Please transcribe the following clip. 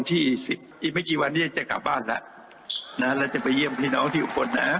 อีกไม่กี่วันนี้จะกลับบ้านแล้วนะแล้วจะไปเยี่ยมพี่น้องที่อุบลนะฮะ